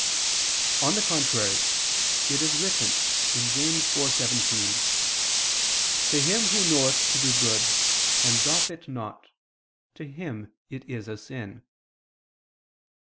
On the contrary, It is written (James 4:17): "To him ... who knoweth to do good, and doth it not, to him it is a sin."